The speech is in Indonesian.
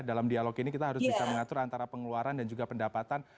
dalam dialog ini kita harus bisa mengatur antara pengeluaran dan juga pendapatan